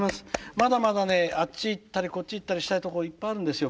まだまだねあっち行ったりこっち行ったりしたいとこいっぱいあるんですよ